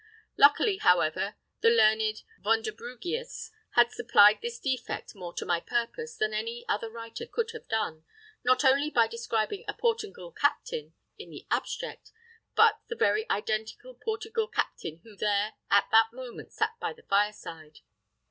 Luckily, however, the learned Vonderbrugius has supplied this defect more to my purpose than any other writer could have done, not only by describing a Portingal captain in the abstract, but the very identical Portingal captain who there, at that moment, sat by the fireside.